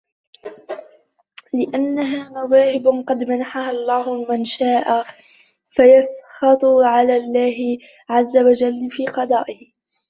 لِأَنَّهَا مَوَاهِبُ قَدْ مَنَحَهَا اللَّهُ مَنْ شَاءَ فَيَسْخَطُ عَلَى اللَّهِ عَزَّ وَجَلَّ فِي قَضَائِهِ